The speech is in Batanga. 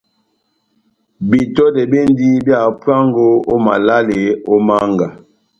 Betɔdɛ bendi bia hapuango ó malale ó mánga.